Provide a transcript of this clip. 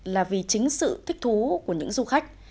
là vì chính sự thích thú của những du khách